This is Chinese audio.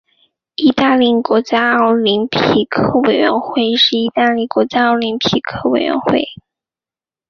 意大利国家奥林匹克委员会是意大利的国家奥林匹克委员会。